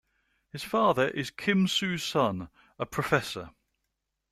His father is Kim Soo-Sun, a professor.